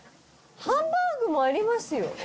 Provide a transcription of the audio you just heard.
ハンバーグもありますよ。